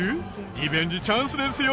リベンジチャンスですよ